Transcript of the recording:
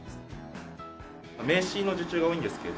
名刺の受注が多いんですけど。